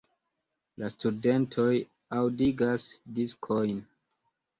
La studentoj aŭdigas diskojn.